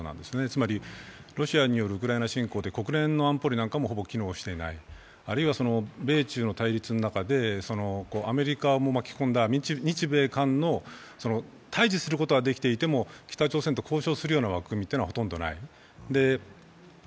つまり、ロシアによるウクライナ侵攻で国連の安保もほぼ機能していない、あるいは米中の対立の中でアメリカも巻き込んだ、日米韓の対峙することはできていても、北朝鮮と交渉するような枠組みはほとんどない。